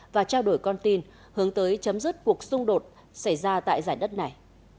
và trao đổi con tin hướng tới chấm dứt cuộc xung đột xảy ra tại giải đất này